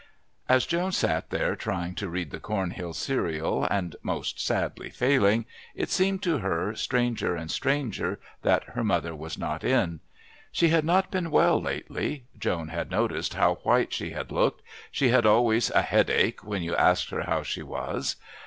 As Joan sat there trying to read the Cornhill serial, and most sadly failing, it seemed to her stranger and stranger that her mother was not in. She had not been well lately; Joan had noticed how white she had looked; she had always a "headache" when you asked her how she was.